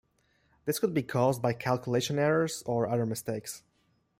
This could be caused by calculation errors or other mistakes.